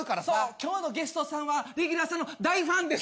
今日のゲストさんはレギュラーさんの大ファンです